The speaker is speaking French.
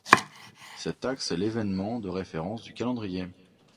Cet axe est l'événement de référence du calendrier.